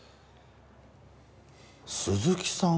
鈴木さん